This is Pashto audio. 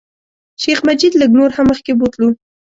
شیخ مجید لږ نور هم مخکې بوتلو.